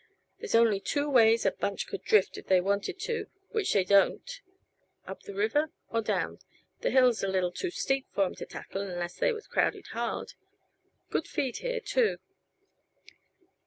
"They's only two ways a bunch could drift if they wanted to which they don't up the river, or down. This hill's a little too steep for 'em to tackle unless they was crowded hard. Good feed here, too.